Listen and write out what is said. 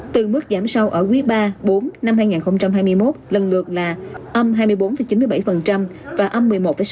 từ mức giảm sâu ở quý iii bốn năm hai nghìn hai mươi một lần lượt là âm hai mươi bốn chín mươi bảy và âm một mươi một sáu